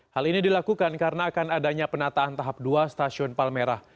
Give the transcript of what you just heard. hal ini dilakukan karena akan adanya penataan tahap dua stasiun palmerah